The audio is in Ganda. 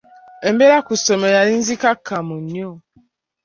Embeera ku ssomero yali nzikakkamu nnyo.